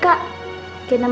balik dulu om